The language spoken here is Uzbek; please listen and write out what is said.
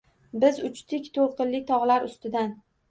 Biz uchdik to’lqinli tog’lar ustidan